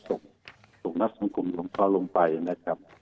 ส่งนักสงครุมลงพลงไปนะครับ